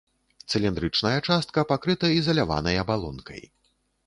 Цыліндрычная частка пакрыта ізаляванай абалонкай.